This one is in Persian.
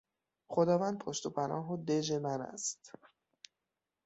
خداوند پشت و پناه و دژ من است.